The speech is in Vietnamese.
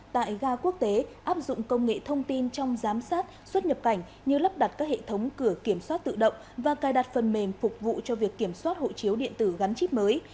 tại ga quốc tế áp dụng công nghệ thông tin trong giám sát xuất nhập cảnh như lắp đặt các hệ thống cửa kiểm soát tự động và cài đặt phần mềm phục vụ cho việc kiểm soát hộ chiếu điện tử gắn chip mới